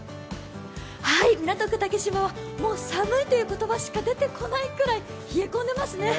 港区竹芝はもう、寒いという言葉しか出てこないぐらい冷え込んでますね。